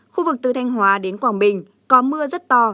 khu vực từ thanh hóa đến quảng bình có mưa rất to